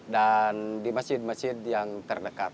di masjid masjid yang terdekat